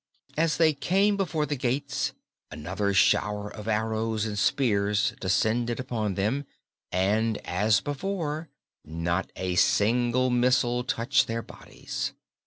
As they came before the gates another shower of arrows and spears descended upon them, and as before not a single missile touched their bodies.